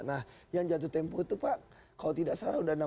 nah yang jatuh tempoh itu pak kalau tidak salah sudah enam belas t pak